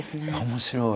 面白い。